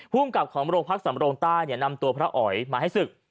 ผู้อำกับของโรงพักษณ์สำรงต้านเนี่ยนำตัวพระอ๋อยมาให้ศึก